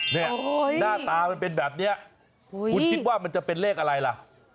หน้าตามันเป็นแบบนี้คุณคิดว่ามันจะเป็นเลขอะไรล่ะ